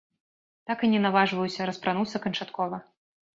Так і не наважваюся распрануцца канчаткова.